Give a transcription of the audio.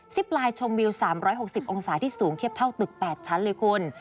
ไลน์ชมวิว๓๖๐องศาที่สูงเทียบเท่าตึก๘ชั้นเลยคุณ